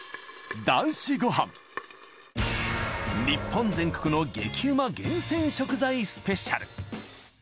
日本全国の激ウマ厳選食材スペシャル。